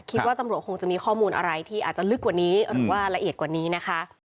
คิดว่าตำรวจคงจะมีข้อมูลอะไรที่อาจจะลึกกว่านี้หรือว่าละเอียดกว่านี้นะคะ